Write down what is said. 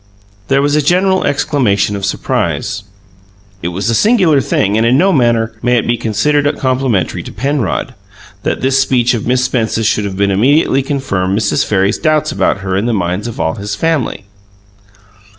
There was a general exclamation of surprise. It was a singular thing, and in no manner may it be considered complimentary to Penrod, that this speech of Miss Spence's should have immediately confirmed Mrs. Farry's doubts about her in the minds of all his family.